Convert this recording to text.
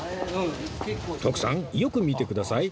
徳さんよく見てください。